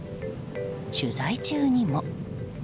取材中にも。